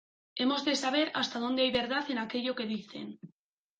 hemos de saber hasta dónde hay verdad en aquello que dicen: